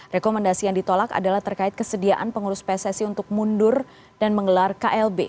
rekomendasi yang ditolak adalah terkait kesediaan pengurus pssi untuk mundur dan menggelar klb